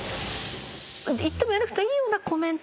「言っても言わなくてもいいようなコメント